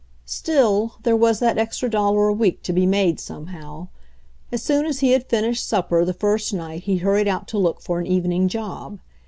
Still, there was that extra dollar a week to be made somehow. As soon as he had finished sup per the first night he hurried out to look for an evening job.